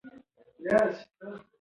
ماشومان اجازه لري زده کړه وکړي.